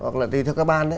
hoặc là thì theo các ban ấy